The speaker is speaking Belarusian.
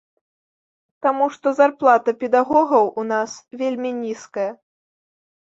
Таму што зарплата педагогаў у нас вельмі нізкая.